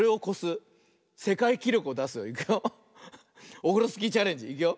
オフロスキーチャレンジいくよ。